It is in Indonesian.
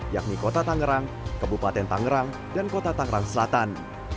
yakni kota tangerang kabupaten tangerang dan kota tangerang selatan